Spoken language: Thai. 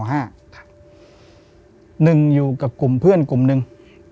หนึ่งอยู่กับกลุ่มเพื่อนกลุ่มหนึ่ง